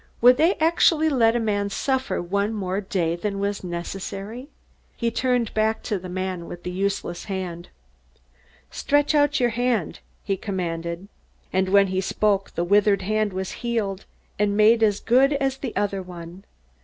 Would they actually let a man suffer one day more than was necessary? He turned back to the man with the useless hand. "Stretch out your hand!" he commanded. And when he spoke, the withered hand was healed, and made as good as the other one.